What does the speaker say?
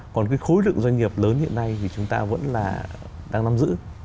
còn cái khối lượng doanh nghiệp lớn hiện nay thì chúng ta vẫn là đang nắm giữ